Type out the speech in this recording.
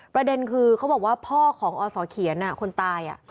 ประเด็นคือเขาบอกว่าพ่อของอศเขียนคนตาย